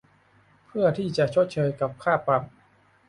เพื่อที่จะชดเชยกับค่าปรับ